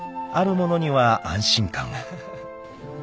［あるものには安心感を］